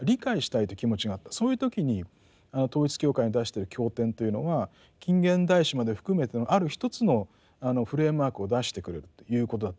そういう時に統一教会の出してる経典というのが近現代史まで含めてのある一つのフレームワークを出してくれるということだったと思うんですね。